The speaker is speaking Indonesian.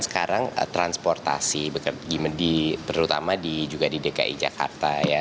sekarang transportasi terutama juga di dki jakarta ya